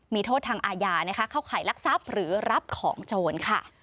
มีโทษทางอาญาเข้าข่ายลักษับหรือรับของโจร